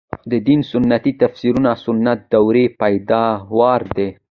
د دین سنتي تفسیرونه سنت دورې پیداوار دي.